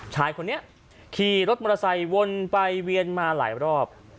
ชายคนนี้ขี่รถมอเตอร์ไซค์วนไปเวียนมาหลายรอบ